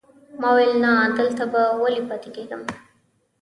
ما ویل نه، دلته به ولې پاتې کېږم.